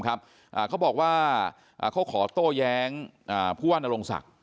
เขาบอกว่าเขาขอโต้แย้งผู้ว่านโรงศักดิ์